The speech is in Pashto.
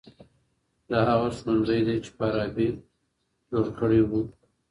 دا هغه ښوونځی دی چي فارابي جوړ کړی و.